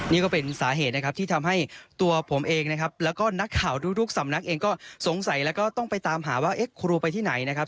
นี่ก็เป็นสาเหตุนะครับที่ทำให้ตัวผมเองนะครับแล้วก็นักข่าวทุกสำนักเองก็สงสัยแล้วก็ต้องไปตามหาว่าเอ๊ะครูไปที่ไหนนะครับ